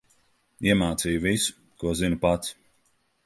Iemācīju visu, ko zinu pats.